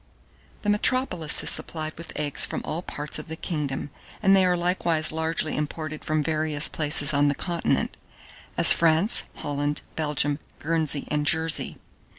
1625. The Metropolis is supplied with eggs from all parts of the kingdom, and they are likewise largely imported from various places on the continent; as France, Holland, Belgium, Guernsey, and Jersey.